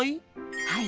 はい。